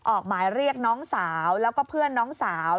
ออกหมายเรียกน้องสาวแล้วก็เพื่อนน้องสาว